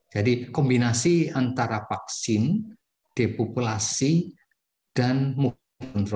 jadi kombinasi antara vaksin depopulasi dan muhid